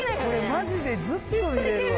マジでずっと見れるわ。